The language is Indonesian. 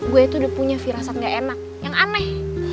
gue tuh udah punya virasat ga enak yang aneh